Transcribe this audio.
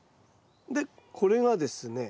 でこれがですね